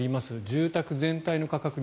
住宅全体の価格